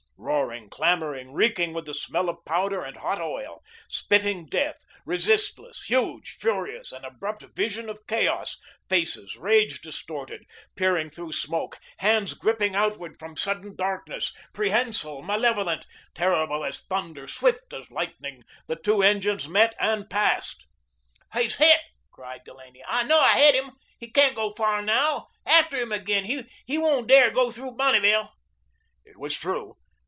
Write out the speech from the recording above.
Roaring, clamouring, reeking with the smell of powder and hot oil, spitting death, resistless, huge, furious, an abrupt vision of chaos, faces, rage distorted, peering through smoke, hands gripping outward from sudden darkness, prehensile, malevolent; terrible as thunder, swift as lightning, the two engines met and passed. "He's hit," cried Delaney. "I know I hit him. He can't go far now. After him again. He won't dare go through Bonneville." It was true.